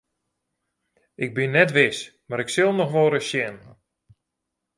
Ik bin net wis mar ik sil noch wolris sjen.